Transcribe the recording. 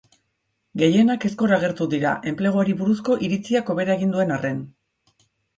Gehienak ezkor agertu dira, enpleguari buruzko iritziak hobera egin duen arren.